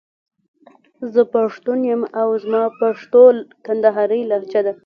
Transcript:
زه پښتون يم او زما پښتو کندهارۍ لهجه ده.